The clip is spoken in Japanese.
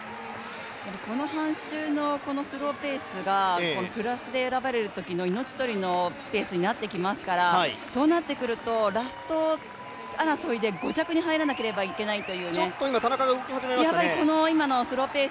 この半周のこのスローペースがプラスで選ばれるときの命取りのペースになってきますからそうなってくると、ラスト争いで５着に入らなければいけないというね。